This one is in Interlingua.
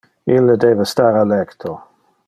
Ille debe star a lecto.